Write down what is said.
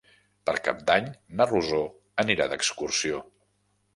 Per Cap d'Any na Rosó anirà d'excursió.